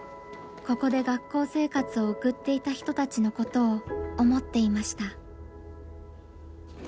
ここで学校生活を送っていた人たちのことを思っていました。